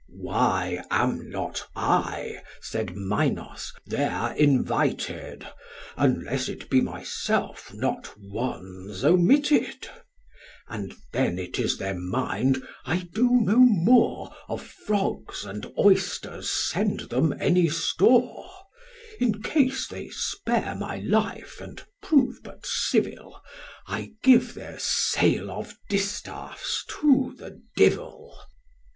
Why am not I, said Minos, there invited? Unless it be myself, not one's omitted: And then it is their mind, I do no more Of frogs and oysters send them any store: In case they spare my life and prove but civil, I give their sale of distaffs to the devil.